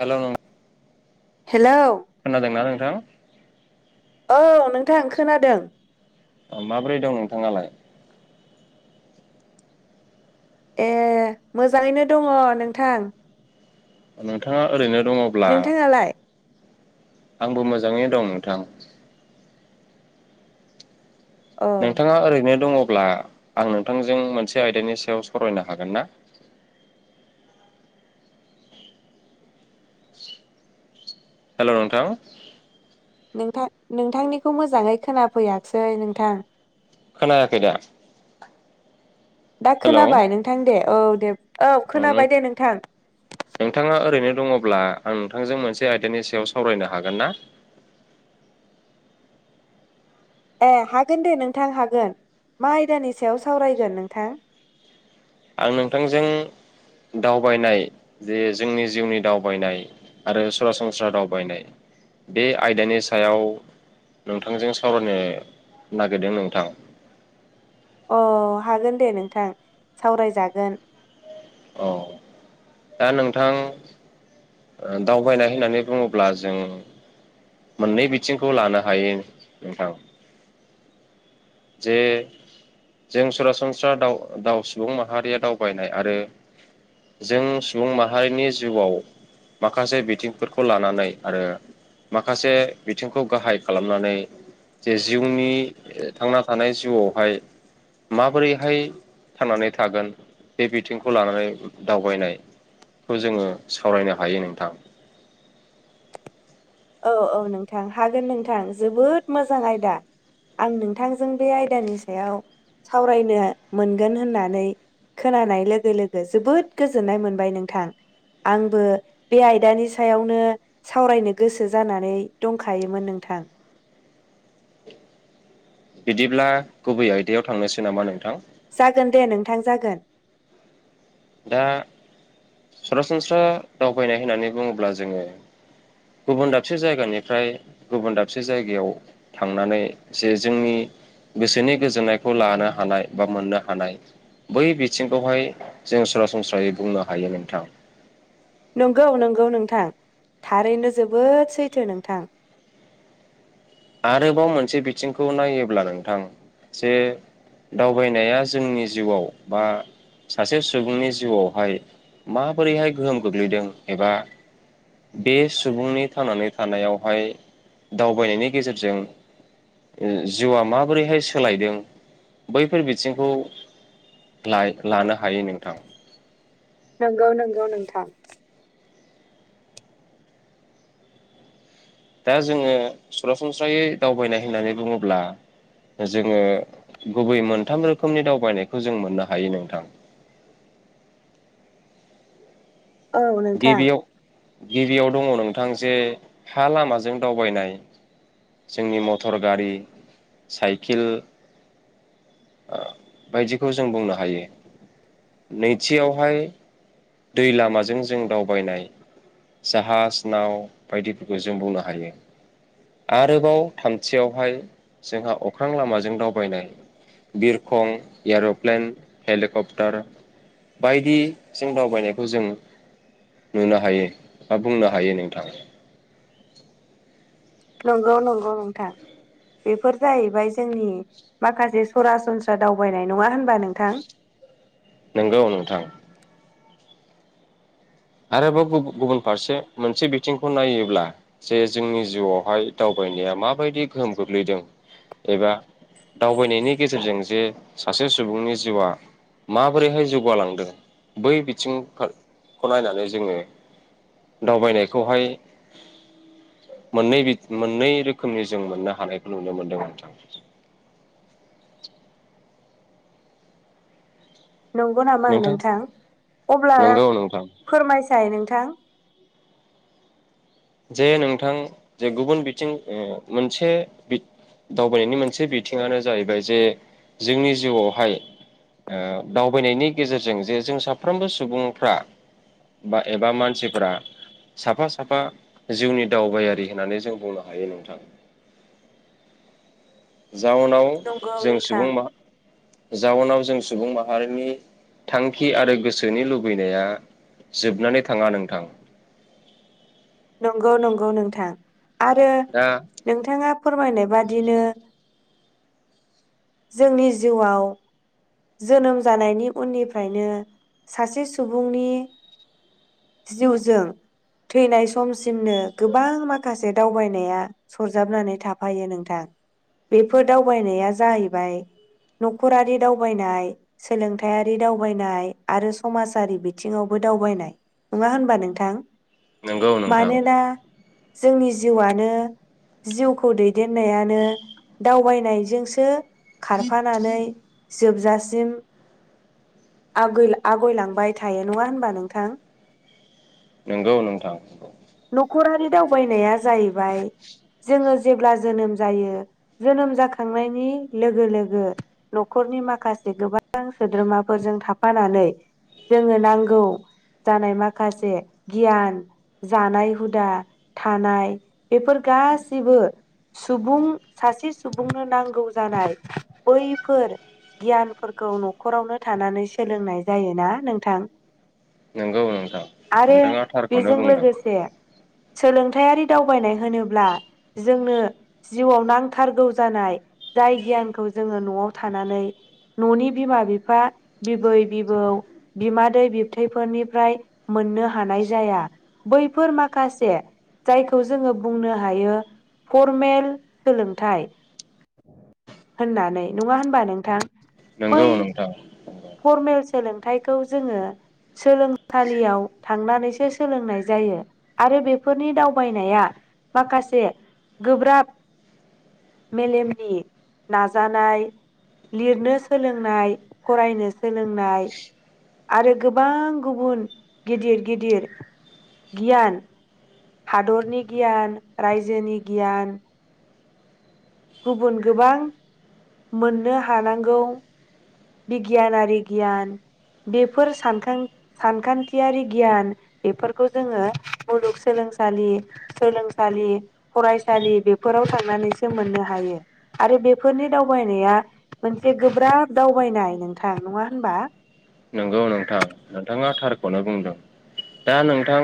Hello [unintelligible] hello खोनादोंना नोंथां औ नों खोनादों माबोरै दं नोंथाङालाय ए मोजाङैनो दङ नोंथां नोंथाङा ओरैनो दङब्ला नोंथाङालाय आंबो मोजाङै दं नोंथां औ नोंथाङा ओरैनो दङ अब्ला आं नोंथांजों मोनसे आयदानि सायाव सावरायनो हागोन ना हेलौ नोंथां नोंथां नोंथांनिखौ मोजाङै खोनाफैयाखसै नोंथां खोनायाखै दा दा हेलौ खोनाबाय नोंथां दे औ दे औ अ नों खोनाबाय दे नोंथां दङोबब्ला आं नोंथांजों मोनसे आयदानि सायाव सावरायनो हागोन ना ए हागोन दे नोंथां हागोन मा आयदानि सायाव सावरायगोन नोंथां आं नोंथांजों दावबायनाय जे जोंनि जिउनि दावबायनाय आरो सरासनस्रा दावबायनाय बे आयदानि सायाव नोंथांजों सावरायनो नागिरदों नोंथां अ हागोन दे नोंथां सावरायजागोन औ दा नोंथां दावबायनाय होननानै बुङोब्ला जों मोननै बिथिंखौ लानो हायो नोंथां जे जों सरासनस्रा द दाउ सुबुं माहारिया दावबायनाय आरो जों सुबुं माहारिनि जिउआव माखासे बिथिंफोरखौ लानानै आरो माखासे बिथिंखौ गाहाय खालामनानै जे जिउनि थांना थानाय जिउआवहाय माबोरैहाय थांनानै थागोन बे बिथिंखौ लानानै दावबायनायखौ जोङो सावरायनो हायो नोंथां औ औ नोंथां हागोन नोंथां जोबोद मोजां आयदा आं नोंथांजों बे आयदानि सायाव सावरायनो मोनगोन होननानै खोनानाय लोगो लोगो जोबोद गोजोननाय मोनबाय नोंथां आंबो बे आयदानि सायावनो सावरायनो गोसो जानानै दंखायोमोन नोंथां बिदिब्ला गुबै आयदायाव थांनोसै नामा नोंथां जागोन दे नोंथां जागोन दा सरासनस्रा दावबायनाय होननानै बुङोब्ला जोङो गुबुन दाबसे जायगानिफ्राय गुबुन दाबसे जायगायाव थांनानै जे जोंनि गोसोनि गोजोननायखौ लानो हानाय बा मोननो हानाय बै बिथिंखौहाय जों सरासनस्रायै बुंनो हायो नोंथां नंगौ नंगौ नोंथां थारैनो जोबोद सैथो नोंथां आरोबाव मोनसे बिथिंखौ नायोब्ला नोंथां जे दावबायनाया जोंनि जिउआव बा सासे सुबुंनि जिउआवहाय माबोरैहाय गोहोम गोग्लैदों एबा बे सुबुंनि थांनानै थानायावहाय दावबायनायनि गेजेरजों जिउआ माबोरैहाय सोलायदों बैफोर बिथिंखौ लानो हायो नोंथां नंगौ नंगौ नोंथां दा जोङो सरासनस्रायै दावबायनाय होननानै बुङोब्ला जोङो गुबै मोनथाम रोखोमनि दावबायनायखौ जों मोननो हायो नोंथां। औ नोंथां गिबियाव गिबियाव दङ नोंथां जे हा लामाजों दावबायनाय जोंनि मटर गारि साइकेल बायदिखौ जों बुंनो हायो नैथियावहाय दै लामाजों जों दावबायनाय जाहाज नाव बायदिफोरखौ जों बुंनो हायो आरोबाव थामथियावहाय जोंहा अख्रां लामाजों दावबायनाय बिरखं एर'प्लेन हेलिकप्टार बायदिजों दावबायनायखौ जों नुनो हायो बा बुंनो हायो। नोंथाङा नंगौ नंगौ नोंथां बेफोर जाहैबाय जोंनि माखासे सरासनस्रा दावबायनाय नङा होनबा नोंथां। नंगौ नोंथां। आरोबाव गुब गुबुन फारसे मोनसे बिथिंखौ नायोब्ला जे जोंनि जिउआवहाय दावबायनाया माबायदि गोहोम गोग्लैदों एबा दावबायनायनि गेजेरजों जे सासे सुबुंनि जिउआ माबोरैहाय जौगालांदों बै बिथिं खौ नायनानै जोङो दावबायनायखौहाय मोन मोननै रोखोमनि जों मोननो हानायखौ नुनो मोनदोंमोन। नंगौ नामा नोंथां अब्ला नंगौ नोंथां फोरमायसाय नोंथां [inaudible] जे नोंथां जे गुबुन बिथिं मोनसे दावबायनायनि मोनसे बिथिङानो जाहैबाय जे जोंनि जिउआवहाय ओ दावबायनायनि गेजेरजों जे जों साफ्रोमबो सुबुंफ्रा बा एबा मानसिफोरा साफा साफा जिउनि दावबायारि होननानै जों बुंनो हायो नोंथां। जाउनाव नंगौ जों नोंथां सुबुं मा जाउनाव जों सुबुं माहारिनि थांखि आरो गोसोनि लुबैनाया जोबनानै थाङा नोंथां। नंगौ नंगौ नोंथां आरो दा नोंथांङा फोरमायनाय बादिनो जोंनि जिउआव जोनोम जानायनि उननिफ्रायनो सासे सुबुंनि जिउजों थैनाय समसिमनो गोबां माखासे दावबायनाया सरजाबनानै थाफायो नोंथां बेफोर दावबायनाया जाहैबाय नखरारि दावबायनाय सोलोंथायारि दावबायनाय आरो समाजारि बिथिङावबो दावबायनाय नङा होनबा नोंथां। नंगौ नोंथां मानोना जोंनि जिउआनो जिउखौ दैदेननायानो दावबायनायजोंसो खारफानानै जोबजासिम आगयलांबाय थायो नङा होनबा नोंथां। नंगौ नोंथां न न'खरारि दावबायनाया जाहैबाय जोङो जेब्ला जोनोम जायो जोनोम जाखांनायनि लोगो लोगो न'खरनि माखासे गोबां सोद्रोमाफोरजों थाफानानै जोङो नांगौ जानाय माखासे गियान जानाय हुदा थानाय बेफोर गाैबो सुबुं सासे सुबुंनो नांगौ जानाय बैफोर गियानफोरखौ न'खरावनो थानानै सोलोंनाय जायोना नोंथां। नंगौ नोंथां नोंथाङा थारखौनो बुंदों। जाया सोलोंथायारि दावबायनाय होनोब्ला जोंनो जिउआव नांथारगौ जानाय जाय गियानखौ जोङो न'आव थानानै न'नि बिमा बिफा बिबै बिबौ बिमादै बिबथैफोरनिफ्राय मोननो हानाय जाया। बैफोर माखासे जायखौ जोङो बुंनो हायो फरमेल सोलोंथाइ होननानै नङा होनबा नोंथां। नंगौ नोंथां। फर्मेल सोलोंथाइखौ जोङो सोलोंसालियाव थांनानैसो सोलोंनाय जायो आरो बेफोरनि दावबायनाया माखासे गोब्राब मेलेमनि नाजानाय लिरनो सोलोंनाय फरायनो सोलोंनाय आरो गोबां गुबुन गिदिर गिदिर गियान हादरनि गियान रायजोनि गियान गुबुन गोबां मोननो हानांगौ बिगियानारि गियान बेफोर सानखां सानखान्थियारि गियान बेफोरखौ जोङो मुलुगसोलोंसालि सोलोंसालि फरायसालि बेफोराव थांनानैसो मोननो हा यो आरो बेफोरनि दावबायनाया मोनसे गोब्राब दावबायनाय नोंथां नङा होनबा। नंगौ नोंथां नोंथाङा थारखौनो बुंदों दा नोंथां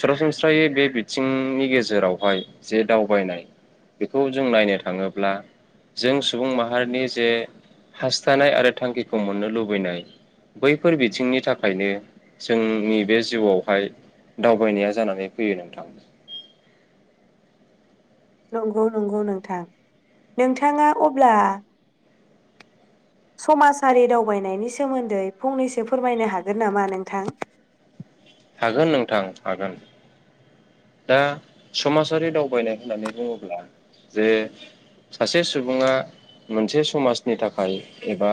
सरासनस्रायै बे बिथिंनि गेजेरावहाय जे दावबायनाय बेखौ जों नायनो थाङोब्ला जों सुबुं माहारिनि जे हास्थायनाय आरो थांखिखौ मोननो लुबैनाय बैफोर बिथिंनि थाखायनो जोंनि बे जिउआवहाय दावबायनाया जानानै फैयो नोंथां। नंगौ नंगौ नोंथां नोंथाङा अब्ला समाजारि दावबायनायनि सोमोन्दै फंनैसो फोरमायनो हागोन नामा नोंथां? हागोन नोंथां हागोन दा समाजारि दावबायनाय होननानै बुङोब्ला जे सासे सुबुंङा मोनसे समाजनि थाखाय एबा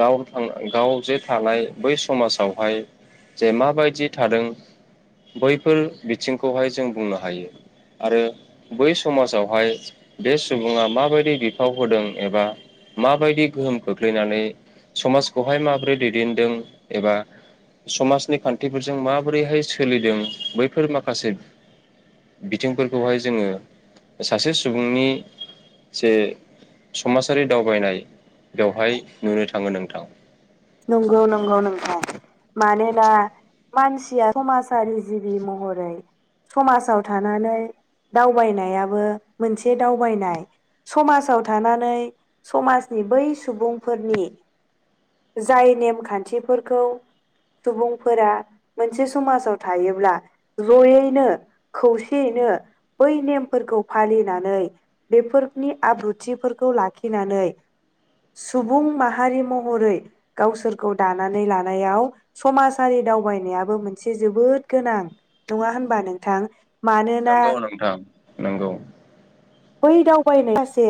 गाव थां गाव जे थानाय बै समाजावहाय जे माबायदि थादों बैफोर बिथिं खौहाय जों बुंनो हायो आरो बै समाजावहाय बे सुबुङा माबायदि बिफाव होदों एबा माबायदि गोहोम खोख्लैनानै समाजखौहाय माबोरै दैदेनदों एबा समाजनि खान्थिफोरजों माबोरैहाय सोलिदों बैफोर माखा माखासे बिथिंफोरखौहाय जोङो सासे सुबुंनि जे समाजारि दावबायनाय बेवहाय नुनो थाङो नोंथां नंगौ नंगौ नोंथां मानोना मानसिया समाजारि जिबि महरै समाजाव थानानै दावबायनायाबो मोनसे दावबायनाय समाजाव थानानै समाजनि बै सुबुंफोरनि जाय नेम-खानथिफोरखौ सुबुंफोरा मोनसे समाजाव थायोब्ला जयैनो खौसेयैनो बै नेमफोरखौ फालिनानै बेफोरनि आब्रुथिफोरखौ लाखिनानै सुबुं माहारि महरै गावसोरखौ दानानै लानायाव समाजारि दावबायनायाबो मोनसे जोबोद गोनां नङा होनबा नोंथां मानोना नोंगौ नोंथां नोंगौ। बै दावबायनाय सासे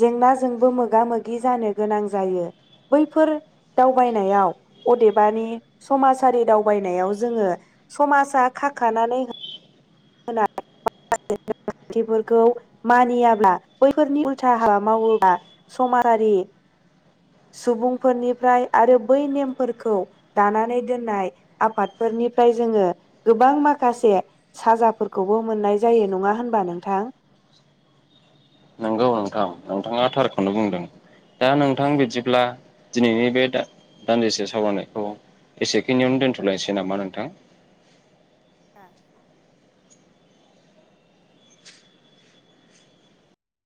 जेंनाजोंबो मोगा-मोगि जानो गोनां जायो बैफोर दावबायनायाव अदेबानि समाजारि दावबायनायाव जोङो समाजा खाखानानै थिफोरखौ मानियाब्ला बैफोरनि उल्था हाबा मावोब्ला समाजारि सुबुंफोरनिफ्राय आरो बै नेमफोरखौ दानानै दोननाय आफादफोरनिफ्राय जोङो गोबां माखासे साजाफोरखौबो मोननाय जा जायो नङा होनबा नोंथां नोंगौ नोंथां नोंथाङा थारखौनो बुंदों दा नोंथां बिदिब्ला दिनैनि बे दान्दिसे सावरायनायखौ एसेखिनियावनो दोन्थ'लायनोसै नामा नोंथां आ